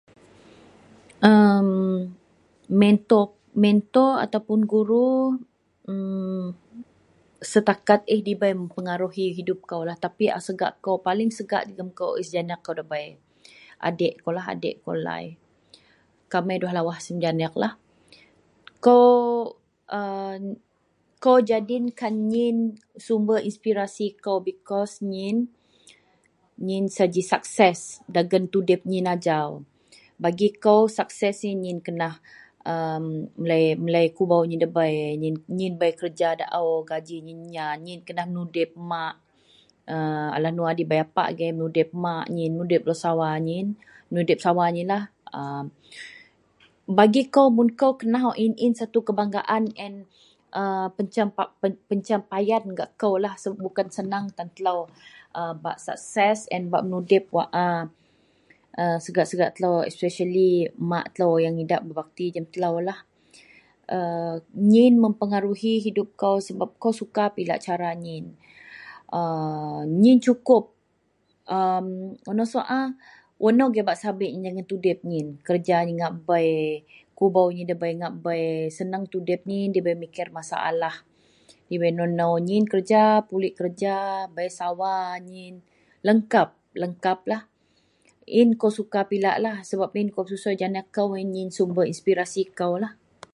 Dokumen wak perlu bak bei peningah mun bak makau dagen likou atau luwer likou yenlah kad pengenalan, paspot jegem kawak telou perlu pepingah ataupun pegek surat kesihatan telou, mengeang inou-inou terjadi atau telou pedeh inou tan gak likou a kena duayen pegui ataupun repa gak kesihatan telou.